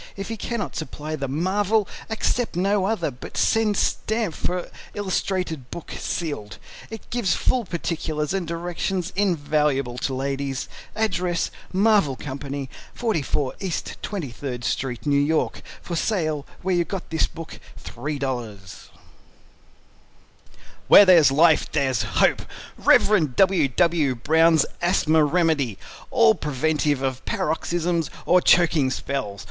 If he cannot supply the MARVEL, accept no other, but send stamp for illustrated book sealed. It gives full particulars and directions invaluable to ladies. Address MARVEL CO. 44 East 23d Street, New York For Sale where you got this book. $3.00 "WHERE THERE'S LIFE, THERE'S HOPE" Rev. W. W. Brown's Asthma Remedy A Preventive of Paroxysms or Choking Spells.